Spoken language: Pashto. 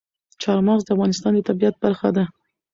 چار مغز د افغانستان د طبیعت برخه ده.